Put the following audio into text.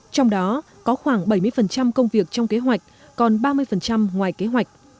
trong đó có khoảng bảy mươi công việc trong kế hoạch còn ba mươi ngoài kế hoạch